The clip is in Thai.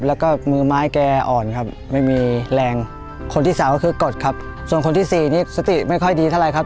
แล้วก็มือไม้แกอ่อนครับไม่มีแรงคนที่สามก็คือกดครับส่วนคนที่สี่นี่สติไม่ค่อยดีเท่าไรครับ